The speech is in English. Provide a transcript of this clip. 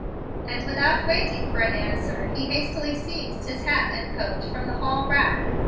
and without waiting for an answer he hastily seized his hat and coat from the hall rack.